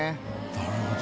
なるほど。